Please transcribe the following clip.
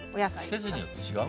季節によって違うもんね。